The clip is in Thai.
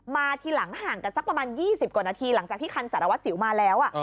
ทีหลังห่างกันสักประมาณ๒๐กว่านาทีหลังจากที่คันสารวัสสิวมาแล้ว